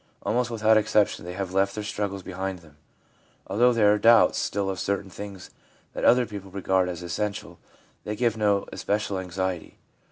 Almost without exception they have left their struggles behind them. Although there are doubts still of certain things that other people regard as essential, they give no especial anxiety.